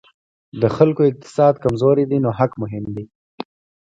د خلکو اقتصاد کمزوری دی نو حق مهم دی.